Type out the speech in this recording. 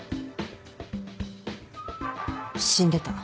死んでた。